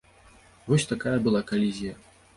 Вось такая была калізія.